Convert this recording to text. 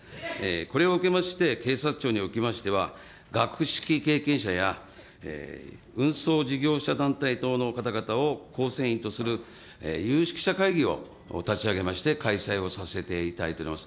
これを受けまして、警察庁におきましては、学識経験者や運送事業者団体等の方々を構成員とする有識者会議を立ち上げまして、開催をさせていただいております。